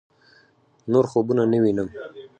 نور خوبونه نه وينم